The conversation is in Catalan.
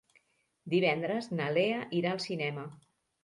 Divendres na Lea irà al cinema.